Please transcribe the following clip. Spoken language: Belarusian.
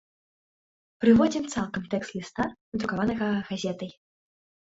Прыводзім цалкам тэкст ліста, надрукаванага газетай.